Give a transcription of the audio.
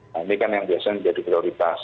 nah ini kan yang biasanya menjadi prioritas